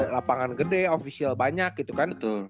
lapangan gede official banyak gitu kan